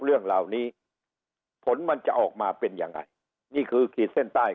เรื่องเหล่านี้ผลมันจะออกมาเป็นยังไงนี่คือขีดเส้นใต้